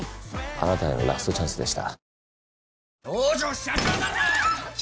あなたへのラストチャンスでした。